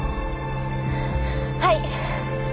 はい。